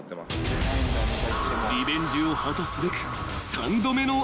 ［リベンジを果たすべく］